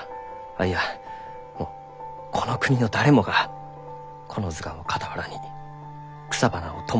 あっいやこの国の誰もがこの図鑑を傍らに草花を友とする。